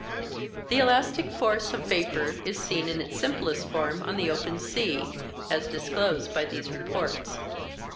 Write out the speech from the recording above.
The elastic force of vapour is seen in its simplest form on the open sea, as disclosed by these Reports.